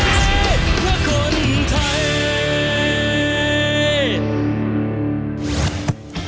เพื่อคนไทย